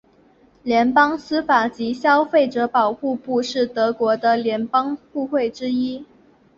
联邦司法及消费者保护部是德国的联邦部会之一。